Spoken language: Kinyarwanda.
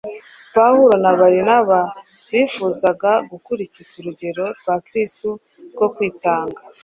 Pawulo na Barinaba bifuzaga gukurikiza urugero rwa Kristo rwo kwitanga